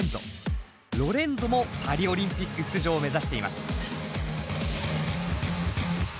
Ｌｏｒｅｎｚｏもパリオリンピック出場を目指しています。